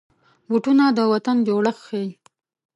بوټونه د وطن جوړښت ښيي.